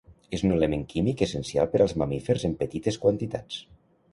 És un element químic essencial per als mamífers en petites quantitats.